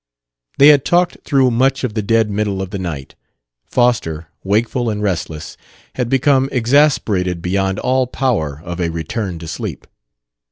They had talked through much of the dead middle of the night. Foster, wakeful and restless, had become exasperated beyond all power of a return to sleep.